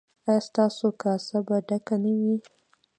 ایا ستاسو کاسه به ډکه نه وي؟